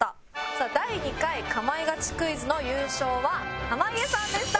さあ第２回かまいガチクイズの優勝は濱家さんでした！